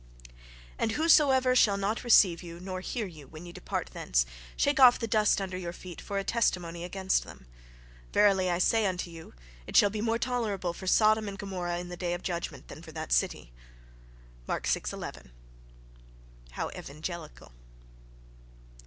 — "And whosoever shall not receive you, nor hear you, when ye depart thence, shake off the dust under your feet for a testimony against them. Verily I say unto you, it shall be more tolerable for Sodom and Gomorrha in the day of judgment, than for that city" (Mark vi, 11)—How evangelical!...